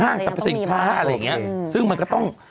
สรรพสินค้าอะไรอย่างเงี้ยซึ่งมันก็ต้อง